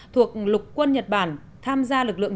thuộc lục quân nhật bản tham gia lực lượng